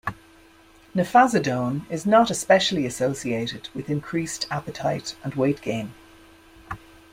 Nefazodone is not especially associated with increased appetite and weight gain.